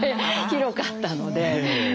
広かったので。